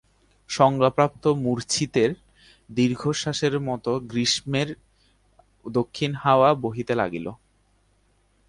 সংজ্ঞাপ্রাপ্ত মূর্ছিতের দীর্ঘশ্বাসের মতো গ্রীষেমর দক্ষিণ-হাওয়া বহিতে লাগিল।